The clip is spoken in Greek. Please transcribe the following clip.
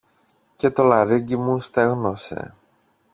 και το λαρύγγι μου στέγνωσε.